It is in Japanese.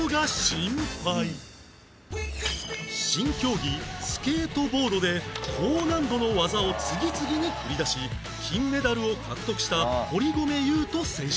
新競技スケートボードで高難度の技を次々に繰り出し金メダルを獲得した堀米雄斗選手